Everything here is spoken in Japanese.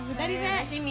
楽しみ！